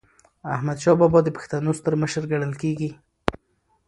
احمدشاه بابا د پښتنو ستر مشر ګڼل کېږي.